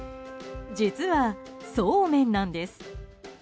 実は、そうめんなんです。